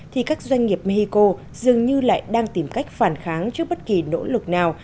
thì các doanh nghiệp mexico dường như lại đang tìm cách phản kháng trước bất kỳ nỗ lực nào